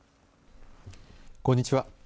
こんにちは。